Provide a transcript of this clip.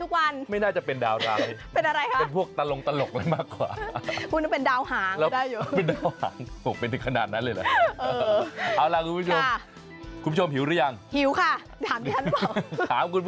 ผมว่าไม่น่าจะเป็นดาวร้ายเป็นพวกตะลงตะหลกเลยมากกว่า